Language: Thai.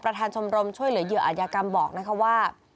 ชมรมช่วยเหลือเหยื่ออาจยากรรมบอกนะคะว่า